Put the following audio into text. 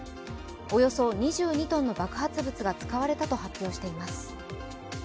およそ２２ｔの爆発物が使われたと発表しています。